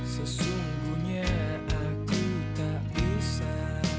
sesungguhnya aku tak bisa